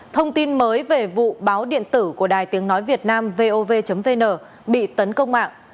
thông tin mới về vụ báo điện tử của đài tiếng nói việt nam vov vn bị tấn công mạng